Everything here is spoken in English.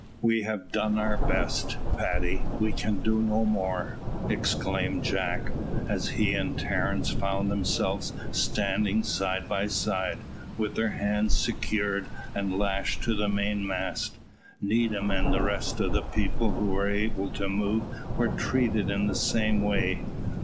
"We have done our best, Paddy, we can do no more," exclaimed Jack, as he and Terence found themselves standing side by side, with their hands secured and lashed to the mainmast. Needham and the rest of the people who were able to move were treated in the same way.